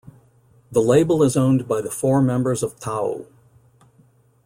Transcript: The label is owned by the four members of Thau.